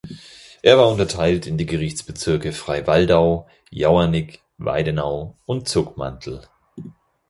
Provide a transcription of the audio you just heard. Er war unterteilt in die Gerichtsbezirke Freiwaldau, Jauernig, Weidenau und Zuckmantel.